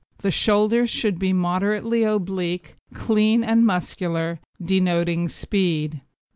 The shoulders should be moderately oblique, clean, and muscular, denoting speed.